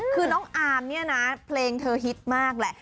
คือน้องอาร์มเนี่ยนะเพลงเธอฮิตมากแหละ